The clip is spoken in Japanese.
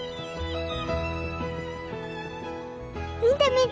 見て見て！